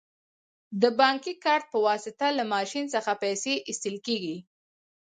د بانکي کارت په واسطه له ماشین څخه پیسې اخیستل کیږي.